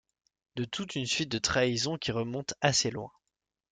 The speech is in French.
De toute une suite de trahisons qui remontent assez loin.